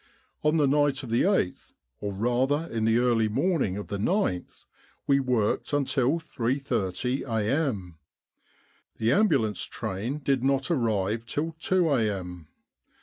On the night of the 8th, or rather in the early morning oi the gth, we worked until 3.30 a.m. The ambulance train did not arrive till 2 a.m.